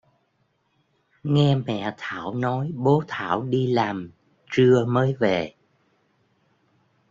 nghe Mẹ Thảo nói bố thảo đi làm trưa mới về